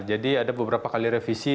jadi ada beberapa kali revisi